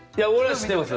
知ってます。